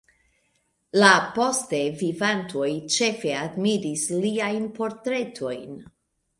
La poste vivantoj ĉefe admiris liajn portretojn.